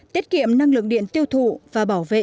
tiết kiệm năng lượng điện tiêu thụ và bảo vệ